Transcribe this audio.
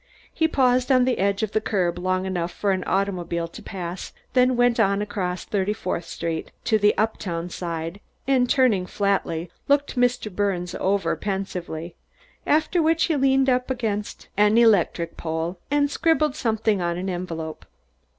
He paused on the edge of the curb long enough for an automobile to pass, then went on across Thirty fourth Street to the uptown side and, turning flatly, looked Mr. Birnes over pensively, after which he leaned up against an electric light pole and scribbled something on an envelope.